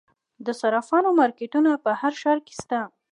د صرافانو مارکیټونه په هر ښار کې شته